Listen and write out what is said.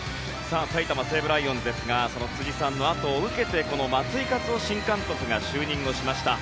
埼玉西武ライオンズですが辻さんの後を受けて松井稼頭央新監督が就任しました。